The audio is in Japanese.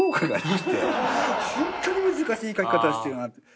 ホントに難しい描き方してるなって。